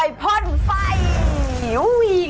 อร่อยพนฟาย